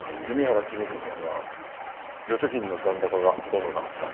弓原公彦さんは預貯金の残高がほとんどなかった。